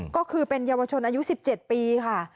ก็คือเป็นเยาวชนอายุ๑๗ปีค่ะ